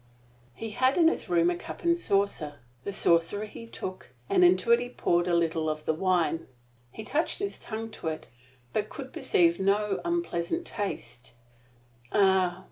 He had in his room a cup and saucer. The saucer he took, and into it poured a little of the wine. He touched his tongue to it, but could perceive no unpleasant taste Ah!